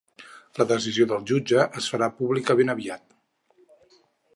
La decisió del jutge es farà pública ben aviat.